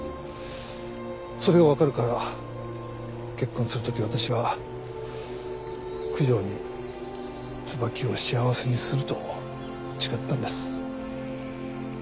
それが分かるから結婚するとき私は九条に椿を幸せにすると誓ったんです。